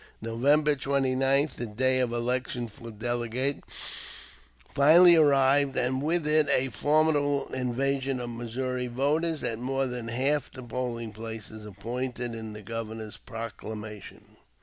November 29th, the day of election for delegate, finally arrived, and with it a formidable invasion of Missouri voters at more than half the polling places appointed in the Governor's proclamation.